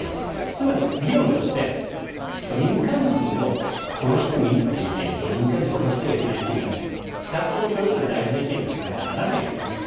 つまり議論として民間人を殺してもいいという意見と民間人を殺してはいけないという意見があって２つともそれぞれ大事な意見ですよねとはならないですよね。